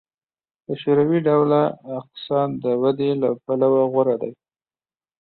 د شوروي ډوله اقتصاد د ودې له پلوه غوره دی